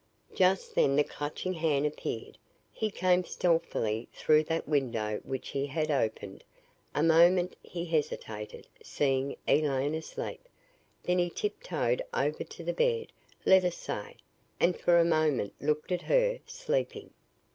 "Just then the Clutching Hand appeared. He came stealthily through that window which he had opened. A moment he hesitated, seeing Elaine asleep. Then he tiptoed over to the bed, let us say, and for a moment looked at her, sleeping.